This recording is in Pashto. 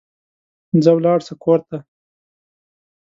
ځه ولاړ سه کور ته